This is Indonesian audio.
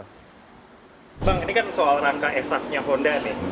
bang ini kan soal rangka esahnya honda nih